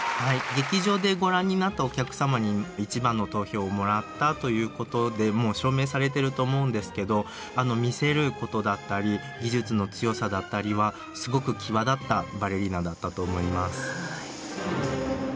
劇場でご覧になったお客様に一番の投票をもらったということでもう証明されてると思うんですけど見せることだったり技術の強さだったりはすごく際立ったバレリーナだったと思います。